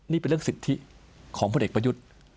นี่เป็นเรื่องสิทธิของพลเอกประยุทธ์